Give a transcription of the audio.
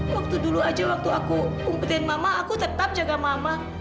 waktu dulu aja waktu aku umpetin mama aku tetap jaga mama